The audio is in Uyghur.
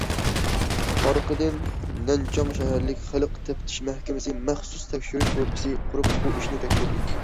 ئارقىدىن، نەنچاڭ شەھەرلىك خەلق تەپتىش مەھكىمىسى مەخسۇس تەكشۈرۈش گۇرۇپپىسى قۇرۇپ، بۇ ئىشنى تەكشۈردى.